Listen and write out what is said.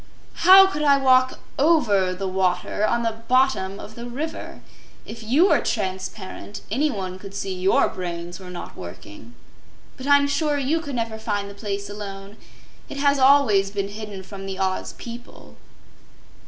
"How could I walk OVER the water on the BOTTOM of the river? If you were transparent, anyone could see YOUR brains were not working. But I'm sure you could never find the place alone. It has always been hidden from the Oz people."